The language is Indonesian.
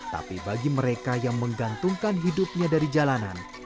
tapi bagi mereka yang menggantungkan hidupnya dari jalanan